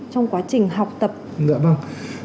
trong quá trình học tập dạ vâng